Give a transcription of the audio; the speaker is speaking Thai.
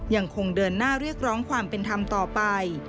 ยังคงเดินหน้าเรียกร้องความเป็นธรรมต่อไป